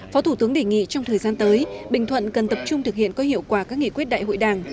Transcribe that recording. phó thủ tướng đề nghị trong thời gian tới bình thuận cần tập trung thực hiện có hiệu quả các nghị quyết đại hội đảng